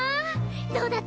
どうだった？